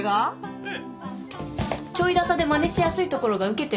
うん。